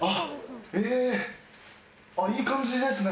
えいい感じですね。